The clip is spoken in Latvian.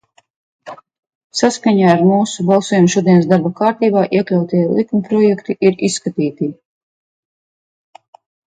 Saskaņā ar mūsu balsojumu šodienas darba kārtībā iekļautie likumprojekti ir izskatīti.